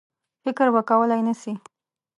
فکر به کولای نه سي.